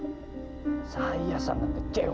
ih saya udah ponsel